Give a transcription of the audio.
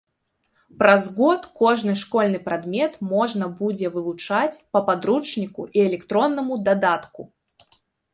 Праз год кожны школьны прадмет можна будзе вывучаць па падручніку і электронным дадатку.